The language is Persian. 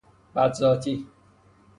بد ذاتی